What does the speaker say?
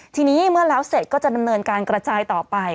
ทีนี้เมื่อแล้วเสร็จก็จะดำเนินการกระจายต่อไป